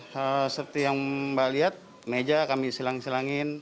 seperti yang mbak lihat meja kami silang silangin